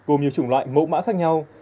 gồm nhiều chủng loại mẫu mã khác nhau